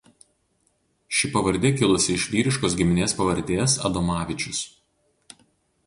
Ši pavardė kilusi iš vyriškos giminės pavardės Adomavičius.